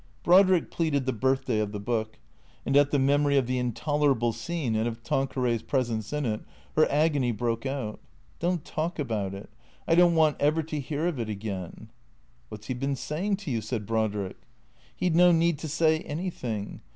Brodrick pleaded the Birthday of the Book. And at the mem ory of the intolerable scene, and of Tanqueray's presence in it, her agony broke out. " Don't talk about it. I don't want ever to hear of it again." " What 's he been saying to you ?" said Brodrick. " He 'd no need to say anything.